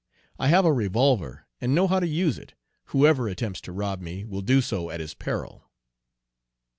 I have a revolver, and know how to use it. Whoever attempts to rob me will do so at his peril."